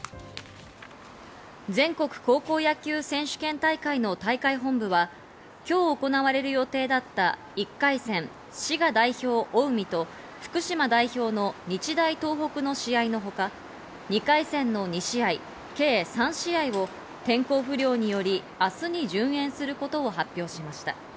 全国高校野球選手権大会の大会本部は、今日行われる予定だった１回戦、滋賀代表・近江と福島代表の日大東北の試合のほか、２回戦の２試合、計３試合を天候不良により、明日に順延することを発表しました。